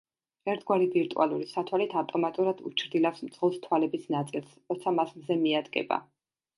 ერთგვარი ვირტუალური სათვალით, ავტომატურად უჩრდილავს მძღოლს თვალების ნაწილს, როცა მას მზე მიადგება.